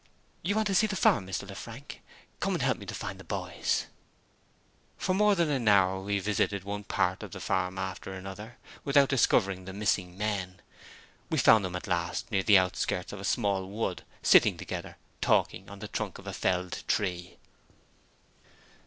"You want to see the farm, Mr. Lefrank. Come and help me to find the boys." For more than an hour we visited one part of the farm after another, without discovering the missing men. We found them at last near the outskirts of a small wood, sitting, talking together, on the trunk of a felled tree.